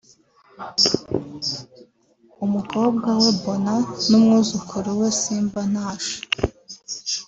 umukobwa we Bona n’umwuzukuru we Simbanashe